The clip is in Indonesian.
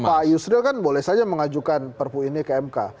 pak yusril kan boleh saja mengajukan perpu ini ke mk